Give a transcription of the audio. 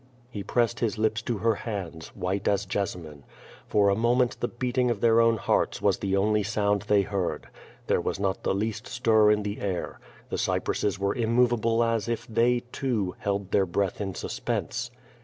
"' He pressed his lips to her hands, white as jessamine. Fori a moment the beating of their own hearts was the only sound | they heard. There was not the least stir in the air. The cypresses were immovable as if they, too, held their breath in suspense.